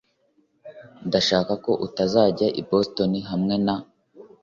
Ndashaka ko utazajya i Boston hamwe na